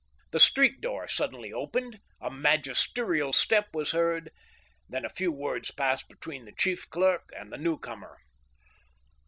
1 5 The street door suddenly opened, a magisterial step was heard. Then a few words passed between the chief clerk and the new« comer.